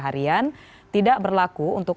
harian tidak berlaku untuk